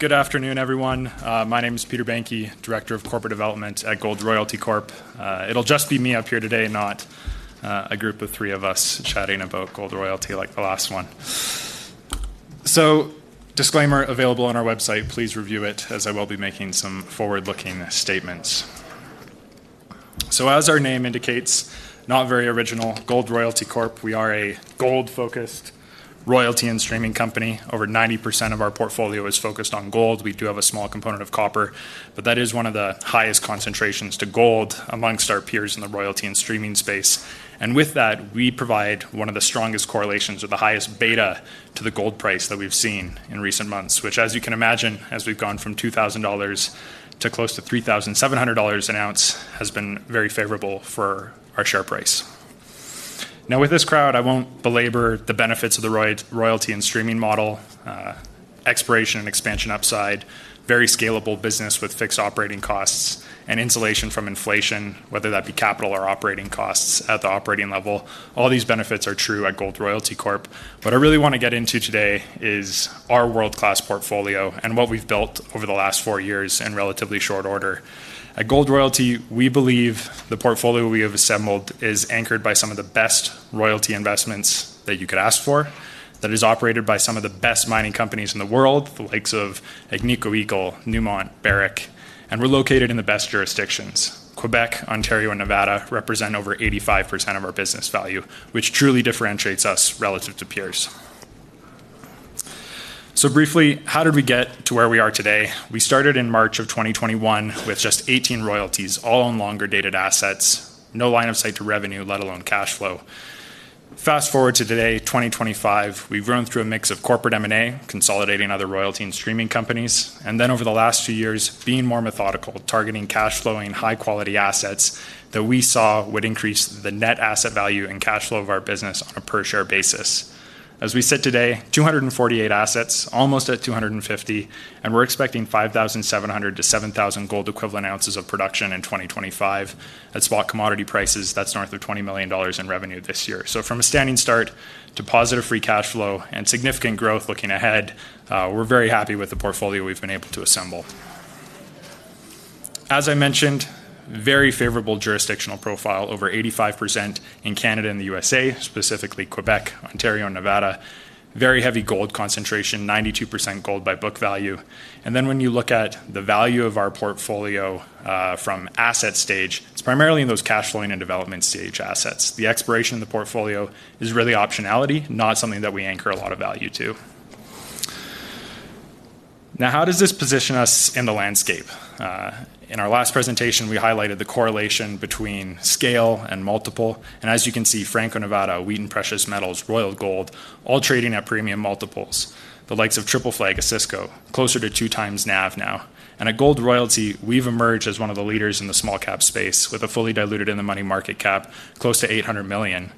Good afternoon, everyone. My name is Peter Behncke, Director of Corporate Development at Gold Royalty Corp. It'll just be me up here today and not a group of three of us chatting about Gold Royalty like the last one. Disclaimer available on our website. Please review it as I will be making some forward-looking statements. As our name indicates, not very original, Gold Royalty Corp. We are a gold-focused royalty and streaming company. Over 90% of our portfolio is focused on gold. We do have a small component of copper, but that is one of the highest concentrations to gold amongst our peers in the royalty and streaming space. With that, we provide one of the strongest correlations or the highest beta to the gold price that we've seen in recent months, which, as you can imagine, as we've gone from $2,000 to close to $3,700 an ounce, has been very favorable for our share price. With this crowd, I won't belabor the benefits of the royalty and streaming model. Expiration and expansion upside, very scalable business with fixed operating costs, and insulation from inflation, whether that be capital or operating costs at the operating level. All these benefits are true at Gold Royalty Corp. What I really want to get into today is our world-class portfolio and what we've built over the last four years in relatively short order. At Gold Royalty, we believe the portfolio we have assembled is anchored by some of the best royalty investments that you could ask for. That is operated by some of the best mining companies in the world, the likes of Agnico Eagle, Newmont, Barrick, and we're located in the best jurisdictions. Quebec, Ontario, and Nevada represent over 85% of our business value, which truly differentiates us relative to peers. Briefly, how did we get to where we are today? We started in March of 2021 with just 18 royalties, all on longer-dated assets, no line of sight to revenue, let alone cash flow. Fast forward to today, 2025, we've grown through a mix of corporate M&A, consolidating other royalty and streaming companies, and then over the last few years, being more methodical, targeting cash flowing high-quality assets that we saw would increase the net asset value and cash flow of our business on a per-share basis. As we sit today, 248 assets, almost at 250, and we're expecting 5,700 to 7,000 gold equivalent ounces of production in 2025 at spot commodity prices. That's north of $20 million in revenue this year. From a standing start to positive free cash flow and significant growth looking ahead, we're very happy with the portfolio we've been able to assemble. As I mentioned, very favorable jurisdictional profile, over 85% in Canada and the U.S., specifically Quebec, Ontario, and Nevada. Very heavy gold concentration, 92% gold by book value. When you look at the value of our portfolio, from asset stage, it's primarily in those cash-flowing and development stage assets. The exploration of the portfolio is really optionality, not something that we anchor a lot of value to. Now, how does this position us in the landscape? In our last presentation, we highlighted the correlation between scale and multiple, and as you can see, Franco-Nevada, Wheaton Precious Metals, Royal Gold, all trading at premium multiples. The likes of Triple Flag and Osisko, closer to two times NAV now. At Gold Royalty, we've emerged as one of the leaders in the small cap space, with a fully diluted in-the-money market cap close to $800 million.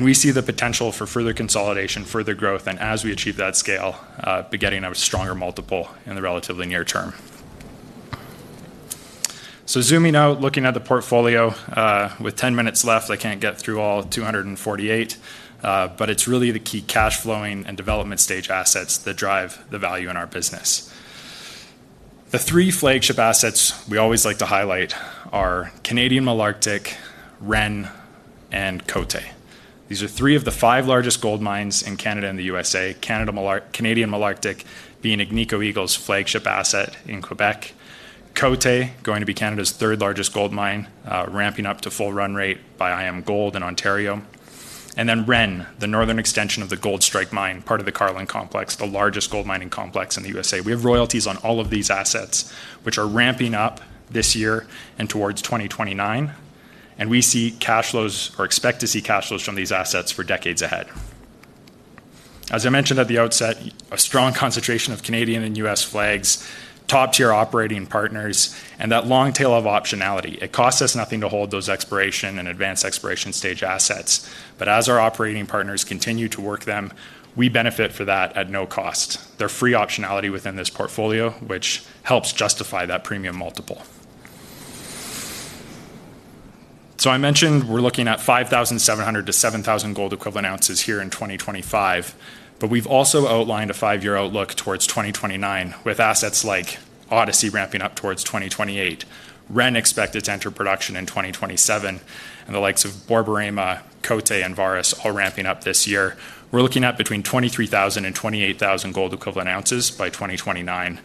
We see the potential for further consolidation, further growth, and as we achieve that scale, beginning a stronger multiple in the relatively near term. Zooming out, looking at the portfolio, with 10 minutes left, I can't get through all 248, but it's really the key cash-flowing and development stage assets that drive the value in our business. The three flagship assets we always like to highlight are Canadian Malartic, Ren, and Côté. These are three of the five largest gold mines in Canada and the U.S., Canadian Malartic being Agnico Eagle's flagship asset in Quebec, Côté going to be Canada's third largest gold mine, ramping up to full run rate by IAMGOLD in Ontario, and then Ren, the northern extension of the Goldstrike Mine, part of the Carlin Complex, the largest gold mining complex in the U.S. We have royalties on all of these assets, which are ramping up this year and towards 2029. We see cash flows, or expect to see cash flows from these assets for decades ahead. As I mentioned at the outset, a strong concentration of Canadian and U.S. flags, top-tier operating partners, and that long tail of optionality. It costs us nothing to hold those exploration and advanced exploration stage assets, but as our operating partners continue to work them, we benefit for that at no cost. They're free optionality within this portfolio, which helps justify that premium multiple. I mentioned we're looking at 5,700 to 7,000 gold equivalent ounces here in 2025, but we've also outlined a five-year outlook towards 2029 with assets like Odyssey ramping up towards 2028, Ren expected to enter production in 2027, and the likes of Borboryma, Côté, and Vares all ramping up this year. We're looking at between 23,000 and 28,000 gold equivalent ounces by 2029.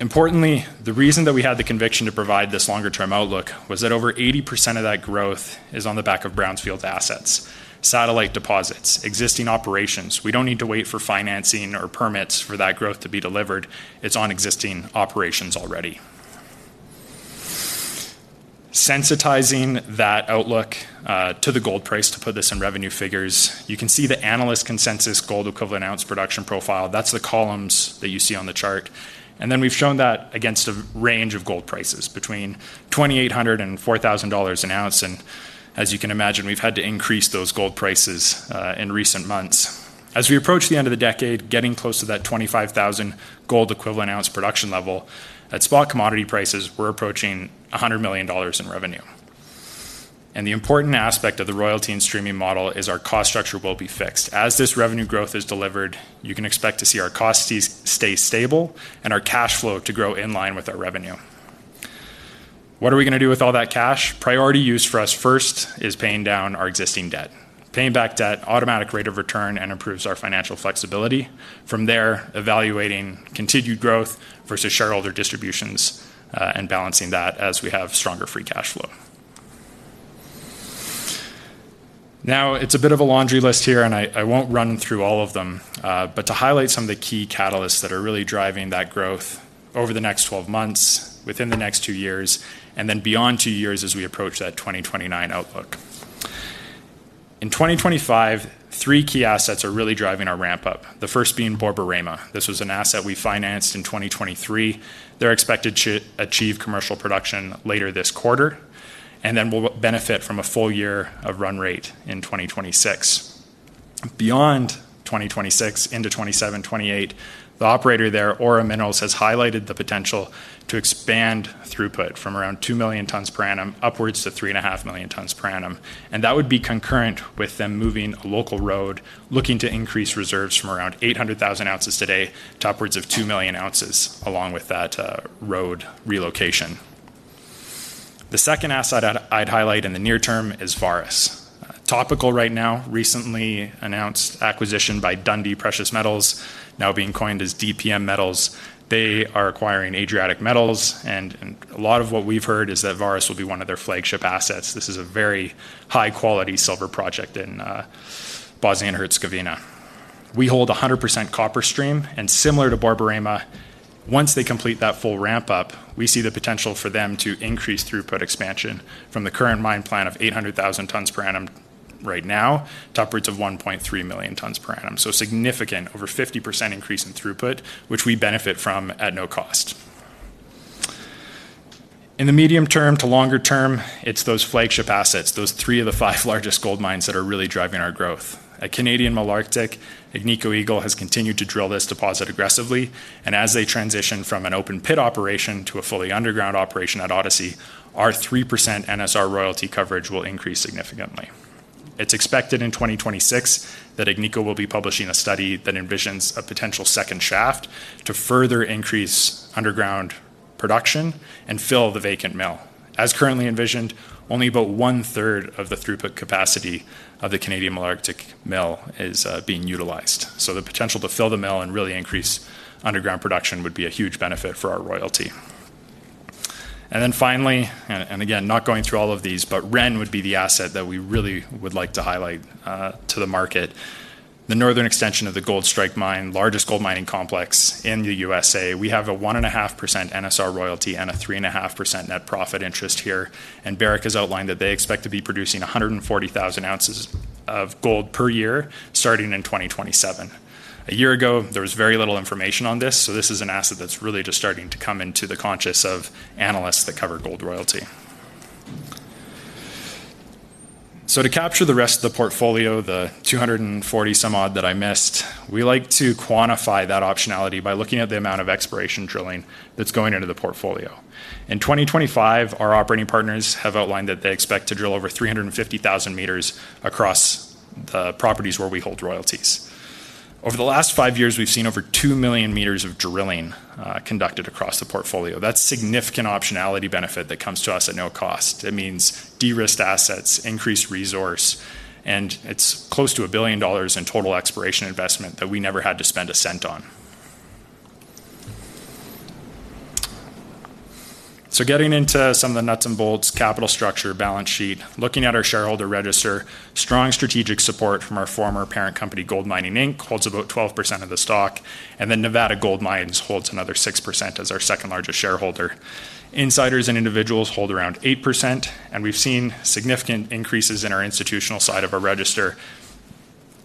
Importantly, the reason that we had the conviction to provide this longer-term outlook was that over 80% of that growth is on the back of brownfield assets, satellite deposits, existing operations. We don't need to wait for financing or permits for that growth to be delivered. It's on existing operations already. Sensitizing that outlook to the gold price to put this in revenue figures, you can see the analyst consensus gold equivalent ounce production profile. That's the columns that you see on the chart. We've shown that against a range of gold prices between $2,800 and $4,000 an ounce. As you can imagine, we've had to increase those gold prices in recent months. As we approach the end of the decade, getting close to that 25,000 gold equivalent ounce production level at spot commodity prices, we're approaching $100 million in revenue. The important aspect of the royalty and streaming model is our cost structure will be fixed. As this revenue growth is delivered, you can expect to see our costs stay stable and our cash flow to grow in line with our revenue. What are we going to do with all that cash? Priority use for us first is paying down our existing debt. Paying back debt, automatic rate of return, and improves our financial flexibility. From there, evaluating continued growth versus shareholder distributions, and balancing that as we have stronger free cash flow. Now, it's a bit of a laundry list here, and I won't run through all of them, but to highlight some of the key catalysts that are really driving that growth over the next 12 months, within the next two years, and then beyond two years as we approach that 2029 outlook. In 2025, three key assets are really driving our ramp up, the first being Borboryma. This was an asset we financed in 2023. They're expected to achieve commercial production later this quarter, and then we'll benefit from a full year of run rate in 2026. Beyond 2026, into 2027, 2028, the operator there, Ora Minerals, has highlighted the potential to expand throughput from around 2 million tons per annum upwards to 3.5 million tons per annum. That would be concurrent with them moving a local road, looking to increase reserves from around 800,000 ounces today to upwards of 2 million ounces along with that road relocation. The second asset I'd highlight in the near term is Vares. Topical right now, recently announced acquisition by Dundee Precious Metals, now being coined as DPM Metals. They are acquiring Adriatic Metals, and a lot of what we've heard is that Vares will be one of their flagship assets. This is a very high-quality silver project in Bosnia and Herzegovina. We hold a 100% copper stream, and similar to Borboryma, once they complete that full ramp up, we see the potential for them to increase throughput expansion from the current mine plan of 800,000 tons per annum right now to upwards of 1.3 million tons per annum. Significant, over 50% increase in throughput, which we benefit from at no cost. In the medium term to longer term, it's those flagship assets, those three of the five largest gold mines that are really driving our growth. At Canadian Malartic, Agnico Eagle has continued to drill this deposit aggressively, and as they transition from an open pit operation to a fully underground operation at Odyssey, our 3% NSR royalty coverage will increase significantly. It's expected in 2026 that Agnico will be publishing a study that envisions a potential second shaft to further increase underground production and fill the vacant mill. As currently envisioned, only about one third of the throughput capacity of the Canadian Malartic mill is being utilized. The potential to fill the mill and really increase underground production would be a huge benefit for our royalty. Finally, and again, not going through all of these, but Ren would be the asset that we really would like to highlight to the market. The northern extension of the Goldstrike Mine, largest gold mining complex in the U.S.A., we have a 1.5% NSR royalty and a 3.5% net profit interest here. Barrick has outlined that they expect to be producing 140,000 ounces of gold per year, starting in 2027. A year ago, there was very little information on this, so this is an asset that's really just starting to come into the conscious of analysts that cover Gold Royalty. To capture the rest of the portfolio, the 240 some odd that I missed, we like to quantify that optionality by looking at the amount of exploration drilling that's going into the portfolio. In 2025, our operating partners have outlined that they expect to drill over 350,000 meters across the properties where we hold royalties. Over the last five years, we've seen over 2 million meters of drilling conducted across the portfolio. That's a significant optionality benefit that comes to us at no cost. It means de-risked assets, increased resource, and it's close to $1 billion in total exploration investment that we never had to spend a cent on. Getting into some of the nuts and bolts, capital structure, balance sheet, looking at our shareholder register, strong strategic support from our former parent company, GoldMining Inc., holds about 12% of the stock, and then Nevada Gold Mines holds another 6% as our second largest shareholder. Insiders and individuals hold around 8%, and we've seen significant increases in our institutional side of our register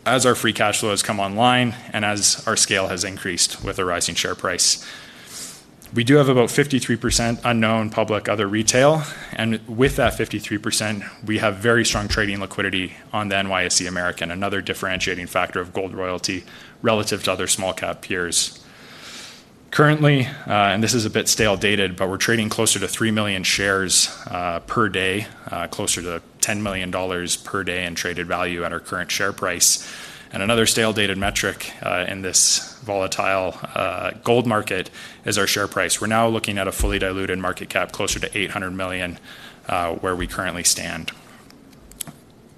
as our free cash flow has come online and as our scale has increased with a rising share price. We do have about 53% unknown public other retail, and with that 53%, we have very strong trading liquidity on the NYSE American, another differentiating factor of Gold Royalty relative to other small cap peers. Currently, and this is a bit stale-dated, we're trading closer to 3 million shares per day, closer to $10 million per day in traded value at our current share price. Another stale-dated metric in this volatile gold market is our share price. We're now looking at a fully diluted market cap closer to $800 million where we currently stand.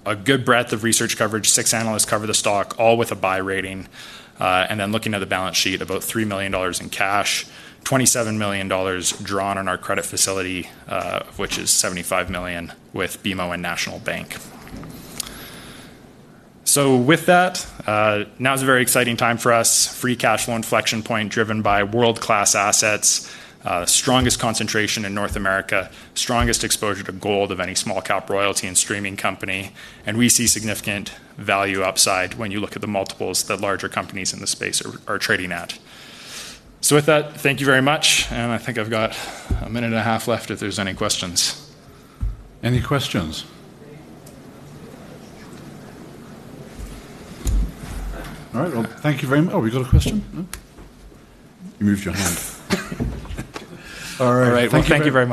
A good breadth of research coverage, six analysts cover the stock, all with a buy rating. Looking at the balance sheet, about $3 million in cash, $27 million drawn on our credit facility, which is $75 million with BMO and National Bank. With that, now is a very exciting time for us, free cash flow inflection point driven by world-class assets, strongest concentration in North America, strongest exposure to gold of any small cap royalty and streaming company, and we see significant value upside when you look at the multiples that larger companies in the space are trading at. Thank you very much, and I think I've got a minute and a half left if there's any questions. Any questions? All right, thank you very much. Oh, we got a question. No, you moved your hand. All right, thank you.